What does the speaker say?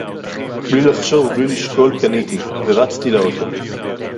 בַּלִי לֶחָשוּב וּבְלִי לַשָקוּל קָנִיתִי, וְרַצְתִי לָאוֹטוֹ.